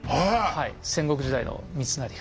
はい戦国時代の三成が。